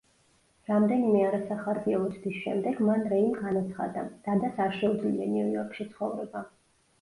რამდენიმე არასახარბიელო ცდის შემდეგ, მან რეიმ განაცხადა: „დადას არ შეუძლია ნიუ-იორკში ცხოვრება“.